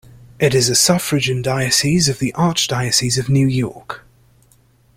It is a suffragan diocese of the Archdiocese of New York.